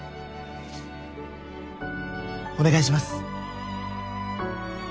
お願いします！